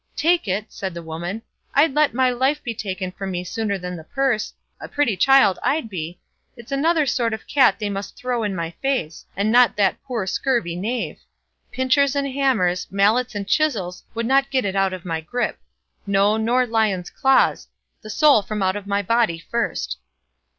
"Take it!" said the woman; "I'd let my life be taken from me sooner than the purse. A pretty child I'd be! It's another sort of cat they must throw in my face, and not that poor scurvy knave. Pincers and hammers, mallets and chisels would not get it out of my grip; no, nor lions' claws; the soul from out of my body first!"